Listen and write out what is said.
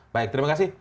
baik terima kasih